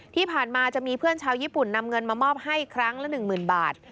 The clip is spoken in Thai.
ที่ผ่านมาจะมีเพื่อนชาวญี่ปุ่นนำเงินมามอบให้ครั้งละ๑๐๐๐บาท